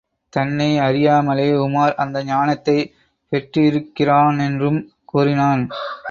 தன்னை அறியாமலே உமார் அந்த ஞானத்தைப் பெற்றிருக்கிறானென்றும் கூறினான்.